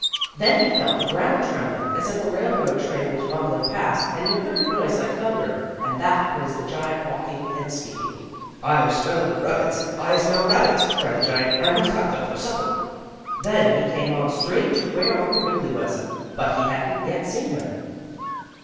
Then he felt the ground trembling as if a railroad train was rumbling past, and he heard a noise like thunder, and that was the giant walking and speaking: "I smell rabbits! I smell rabbits!" cried the giant. "I must have them for supper!" Then he came on straight to where Uncle Wiggily was, but he hadn't yet seen him.